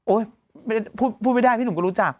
พูดไม่ได้พี่หนุ่มก็รู้จัก